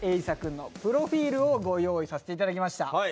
朝くんのプロフィールをご用意させて頂きました。